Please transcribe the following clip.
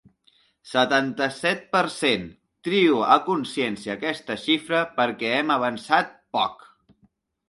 Setanta-set per cent Trio a consciència aquesta xifra perquè hem avançat poc.